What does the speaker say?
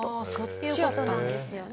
そっちやったんですね。